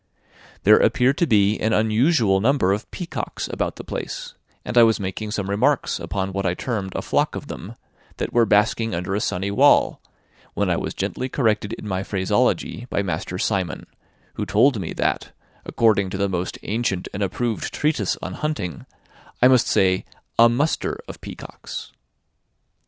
There appeared to be an unusual number of peacocks about the place, and I was making some remarks upon what I termed a flock of them, that were basking under a sunny wall, when I was gently corrected in my phraseology by Master Simon, who told me that, according to the most ancient and approved treatise on hunting, I must say a MUSTER of peacocks.